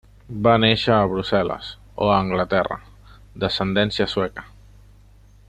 Va néixer a Brussel·les o a Anglaterra, d'ascendència sueca.